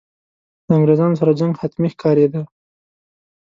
له انګرېزانو سره جنګ حتمي ښکارېدی.